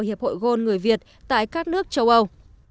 hội gôn người việt tại các nước châu âu